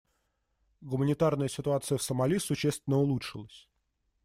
Гуманитарная ситуация в Сомали существенно улучшилась.